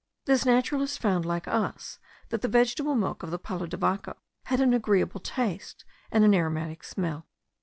This naturalist found, like us, that the vegetable milk of the palo de vaco had an agreeable taste and an aromatic smell.